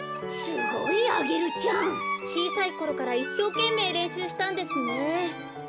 ちいさいころからいっしょうけんめいれんしゅうしたんですね。